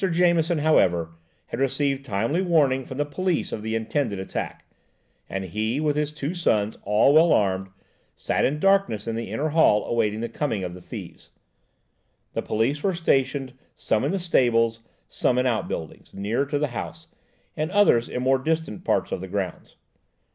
Jameson, however, had received timely warning from the police of the intended attack, and he, with his two sons, all well armed, sat in darkness in the inner hall awaiting the coming of the thieves. The police were stationed, some in the stables, some in out buildings nearer to the house, and others in more distant parts of the grounds.